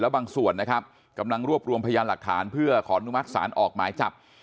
บางส่วนนะครับกำลังรวบรวมพยานหลักฐานเพื่อขออนุมัติศาลออกหมายจับ